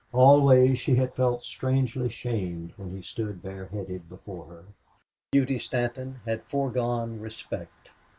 Always she had felt strangely shamed when he stood bareheaded before her. Beauty Stanton had foregone respect.